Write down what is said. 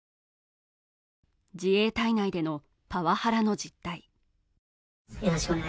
自衛隊内でのパワハラの実態